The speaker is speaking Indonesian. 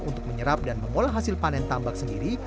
untuk menyerap dan mengolah hasil panen tambak sendiri